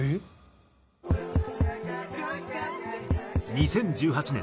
２０１８年